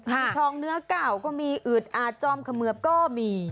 มีทองเนื้อเก่าก็มีอึดอาดจอมเขมือบก็มี